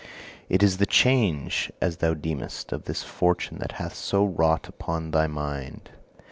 It is the change, as thou deemest, of this fortune that hath so wrought upon thy mind.